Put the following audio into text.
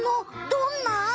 どんな？